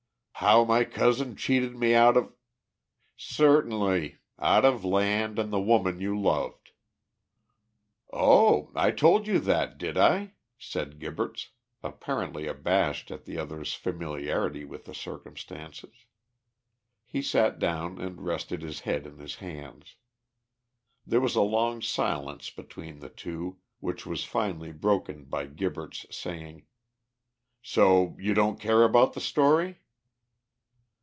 "How my cousin cheated me out of " "Certainly. Out of land and the woman you loved." "Oh! I told you that, did I?" said Gibberts, apparently abashed at the other's familiarity with the circumstances. He sat down, and rested his head in his hands. There was a long silence between the two, which was finally broken by Gibberts saying "So you don't care about the story?"